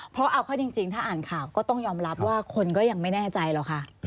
เพราะเอาเข้าจริงถ้าอ่านข่าวก็ต้องยอมรับว่าคนก็ยังไม่แน่ใจหรอกค่ะ